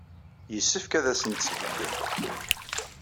Yessefk ad asent-tbeddem.